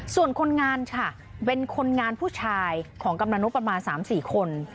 ส่วนคนงานค่ะเป็นคนงานผู้ชายของกำลังนกประมาณ๓๔คน